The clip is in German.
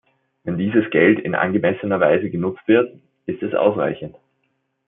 Wenn dieses Geld in angemessener Weise genutzt wird, ist es ausreichend.